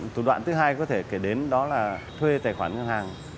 thủ đoạn thứ hai có thể kể đến đó là thuê tài khoản ngân hàng